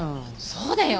そうだよ。